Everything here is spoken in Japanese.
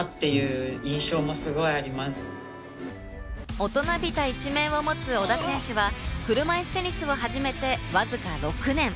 大人びた一面を持つ小田選手は、車いすテニスを始めてわずか６年。